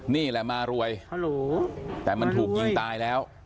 นี่แหละมารวยแต่มันถูกยิงตายแล้ว